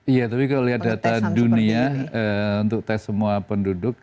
iya tapi kalau lihat data dunia untuk tes semua penduduk